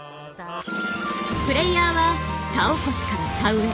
プレイヤーは田起こしから田植え